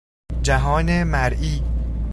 جهان مرئی